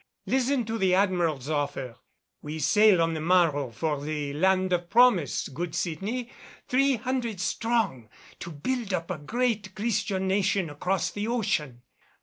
Listen to the Admiral's offer. We sail on the morrow for the land of promise, good Sydney, three hundred strong, to build up a great Christian nation across the ocean.